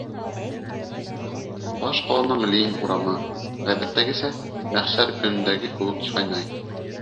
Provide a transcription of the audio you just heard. ...Баш ҡаланың Ленин урамы, ғәҙәттәгесә, мәхшәр көнөндәге кеүек ҡайнай.